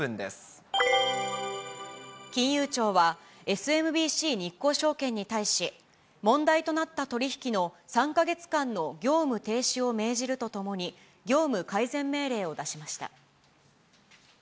金融庁は、ＳＭＢＣ日興証券に対し、問題となった取り引きの３か月間の業務停止を命じるとともに、業務改善命令を出しました。